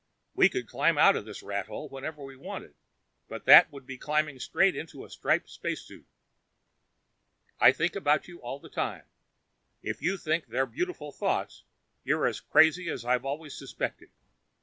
We could climb out of this rat hole whenever we wanted, but that would be climbing straight into a striped spacesuit. I think about you all the time. And if you think they're beautiful thoughts, you're as crazy as I've always suspected.